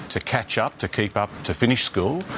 untuk mengejar untuk mengejar untuk mencapai sekolah